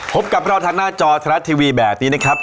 พบกับเราทางหน้าจอไทยรัฐทีวีแบบนี้นะครับ